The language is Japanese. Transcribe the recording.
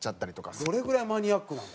どれぐらいマニアックなの？